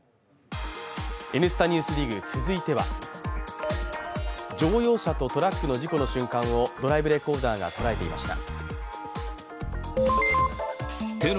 「Ｎスタ・ＮＥＷＳＤＩＧ」、続いては乗用車とトラックの事故の瞬間をドライブレコーダーが捉えていました。